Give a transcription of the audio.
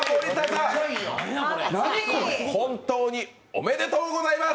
おめでとうございます！